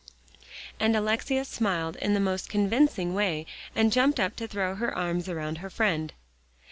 And Alexia smiled in the most convincing way and jumped up to throw her arms around her friend.